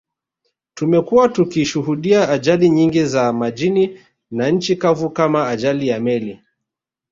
Tumekuwa tukishuhudia ajali nyingi za majini na nchi kavu kama ajali ya meli